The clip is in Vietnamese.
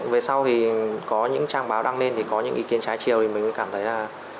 về sau thì có những trang báo đăng lên thì có những ý kiến trái chiều thì mình mới cảm thấy là